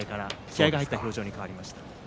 気合いが入った表情に変わりました。